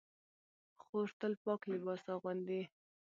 خور تل پاک لباس اغوندي.